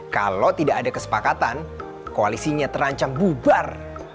kalau tidak ada kesepakatan koalisinya terancam bubar